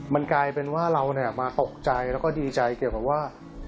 มันกลายเป็นว่าเรามาตกใจแล้วก็ดีใจเกี่ยวกับว่า